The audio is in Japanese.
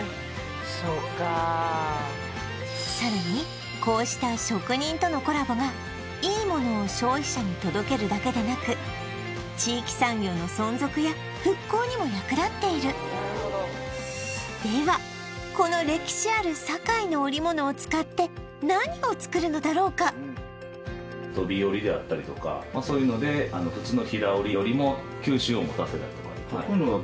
そっかさらにこうした職人とのコラボがいいものを消費者に届けるだけでなく地域産業の存続や復興にも役立っているではこの歴史ある堺の織物を使って何を作るのだろうかドビー織であったりとかそういうのでそうですね